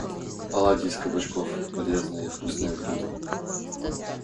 Оладьи из кабачков - полезное и вкусное блюдо.